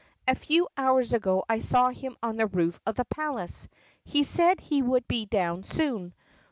A few hours ago I saw him on the roof of the palace. He said he would be down soon.